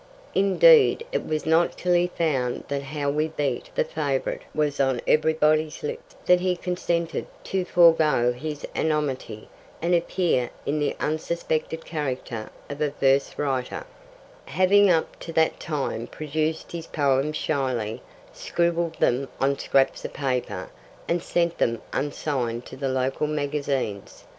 Indeed, it was not till he found that How We Beat the Favourite was on everybody's lips that he consented to forego his anonymity and appear in the unsuspected character of a verse writer, having up to that time produced his poems shyly, scribbled them on scraps of paper, and sent them unsigned to the local magazines.